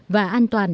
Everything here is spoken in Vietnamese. và an toàn